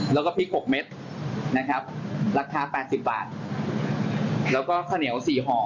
แล้วก็พริก๖เม็ดนะครับราคา๘๐บาทแล้วก็ข้าวเหนียว๔ห่อ